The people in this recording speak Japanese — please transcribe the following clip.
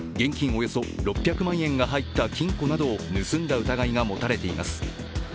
およそ６００万円が入った金庫などを盗んだ疑いが持たれています。